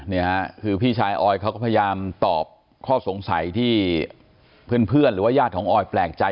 นี่ค่ะคือพี่ชายออยเขาก็พยายามตอบข้อสงสัยที่เพื่อนหรือว่าญาติของออยแปลกใจ